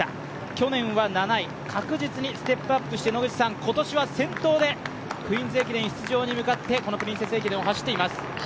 去年は７位、確実にステップアップして今年は先頭でクイーンズ駅伝出場に向かってプリンセス駅伝走っています。